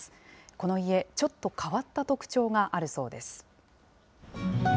この家、ちょっと変わった特徴があるそうです。